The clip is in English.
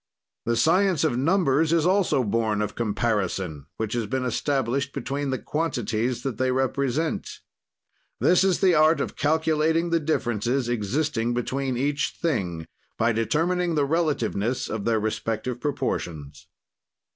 "The science of numbers is also born of comparison, which has been established between the quantities that they represent. "This is the art of calculating the differences existing between each thing, by determining the relativeness of their respective proportions.